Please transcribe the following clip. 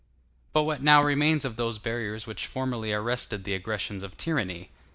But what now remains of those barriers which formerly arrested the aggressions of tyranny?